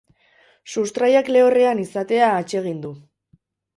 Sustraiak lehorrean izatea atsegin du.